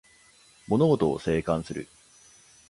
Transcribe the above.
物事を静観する